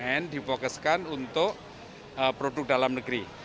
yang dipokuskan untuk produk dalam negeri